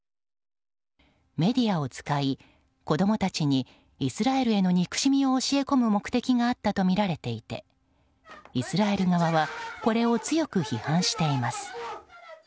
メディアを使い、子供たちにイスラエルへの憎しみを教え込む目的があったとみられていてイスラエル側はこれを強く批判しています。